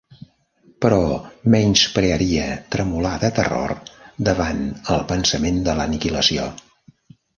Però menysprearia tremolar de terror davant el pensament de l'aniquilació.